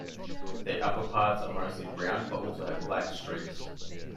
Their upper parts are mostly brown, but also have black streaks.